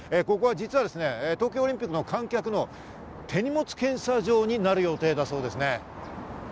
実は東京オリンピックの観客の手荷物検査場になる予定だそうですね。